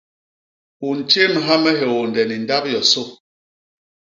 U ntjémha me hiônde ni ndap yosô.